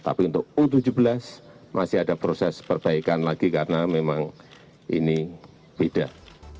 tapi untuk u tujuh belas masih ada proses perbaikan lagi karena memang ini tidak